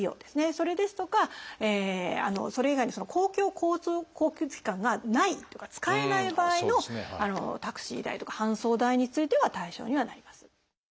それですとかそれ以外に公共交通機関がないとか使えない場合のタクシー代とか搬送代については対象にはなります。